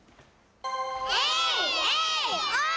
えいえいおー。